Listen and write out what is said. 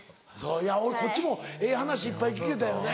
いやこっちもええ話いっぱい聞けたよね。